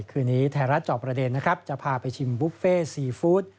คืนนี้ไทยรัฐจอบประเด็นนะครับจะพาไปชิมบุฟเฟ่ซีฟู้ด